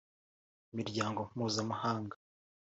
imiryango mpuzamahanga